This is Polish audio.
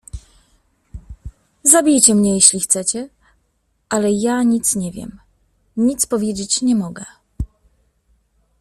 "Zabijcie mnie, jeśli chcecie, ale ja nic nie wiem, nic powiedzieć nie mogę."